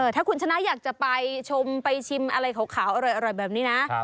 ถ้าคุณชนะอยากจะไปชมไปชิมอะไรขาวอร่อยแบบนี้นะ